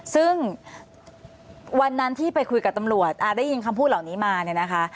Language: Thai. ซึ่งวันนั้นที่ไปคุยกับตำรวจได้ยินคำพูดเหล่านี้มาเนี่ยนะคะ